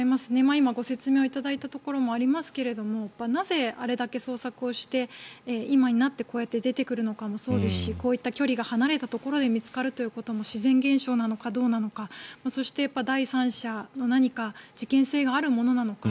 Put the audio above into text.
今、ご説明をいただいたところもありますがなぜ、あれだけ捜索をして今になってこうやって出てくるのかもそうですしこういった距離が離れたところで見つかるということも自然現象なのかどうなのかそして、第三者の何か事件性があるものなのか。